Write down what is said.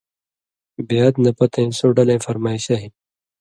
بېعت نہ پتَیں سو ڈلَیں فرمائشہ ہِن